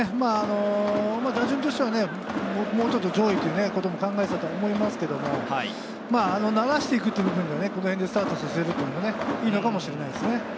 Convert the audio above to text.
打順としてはもうちょっと上位ということも考えていたと思いますけれど、流していくという意味ではこの辺でスタートさせるのもいいのかもしれません。